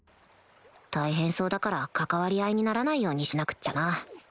大変そうだから関わり合いにならないようにしなくっちゃな